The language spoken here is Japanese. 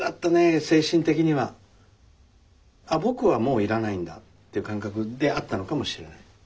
あっ僕はもう要らないんだっていう感覚であったのかもしれない。